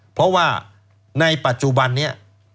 เพราะว่าในปัจจุบันนี้